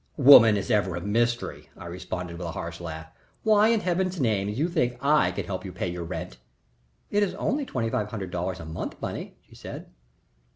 "Woman is ever a mystery," I responded, with a harsh laugh. "Why in Heaven's name you think I can help you to pay your rent " "It is only twenty five hundred dollars a month, Bunny," she said.